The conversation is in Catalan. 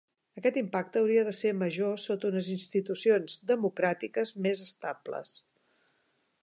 Aquest impacte hauria de ser major sota unes institucions democràtiques més estables.